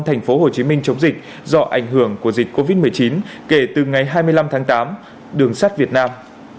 thành phố hồ chí minh chống dịch do ảnh hưởng của dịch covid một mươi chín kể từ ngày hai mươi năm tháng tám đường sắt việt nam